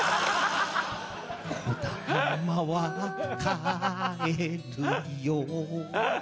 こだまはかえるよ